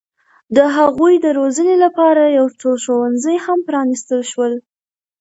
د هغوی د روزنې لپاره یو څو ښوونځي هم پرانستل شول.